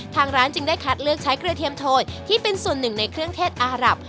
ทางร้านจึงได้คัดเลือกใช้กระเทียมโทยที่เป็นส่วนหนึ่งในเครื่องเทศอารับ